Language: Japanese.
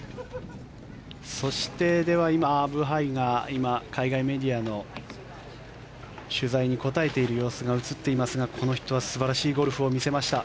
そして、では今、ブハイが海外メディアの取材に答えている様子が映っていますがこの人は素晴らしいゴルフを見せました。